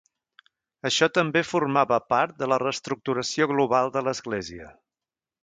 Això també formava part de la reestructuració global de l'Església.